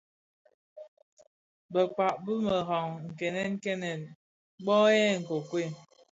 Bekpag bi meraň nkènèn kènèn mböghèn nkokuei.